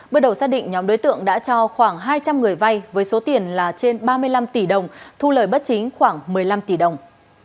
bước đầu xác định nhóm đối tượng đã cho khoảng hai trăm linh người vay với số tiền là trên ba mươi năm tỷ đồng thu lời bất chính khoảng một mươi năm tỷ đồng